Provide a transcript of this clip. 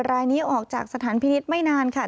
รายนี้ออกจากสถานพินิษฐ์ไม่นานค่ะ